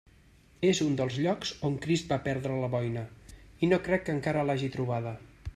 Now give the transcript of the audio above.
És un dels llocs on Crist va perdre la boina, i no crec que encara l'hagi trobada.